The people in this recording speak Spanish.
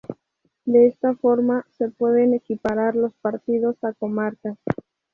De esta forma, se pueden equiparar los partidos a comarcas.